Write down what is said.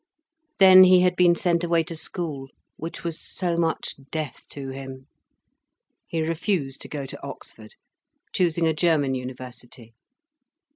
Then he had been sent away to school, which was so much death to him. He refused to go to Oxford, choosing a German university.